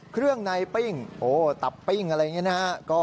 เครื่องในปิ้งตับปิ้งอะไรอย่างนี้นะฮะ